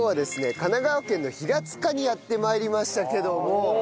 神奈川県の平塚にやって参りましたけども。